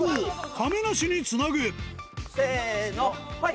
亀梨につなぐはい。